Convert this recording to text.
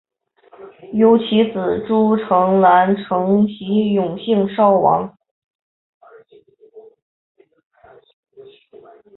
由其子朱诚澜承袭永兴郡王。